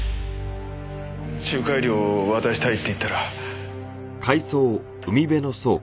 仲介料を渡したいって言ったら。